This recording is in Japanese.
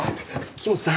木元さん